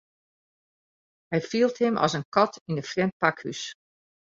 Hy fielt him as in kat yn in frjemd pakhús.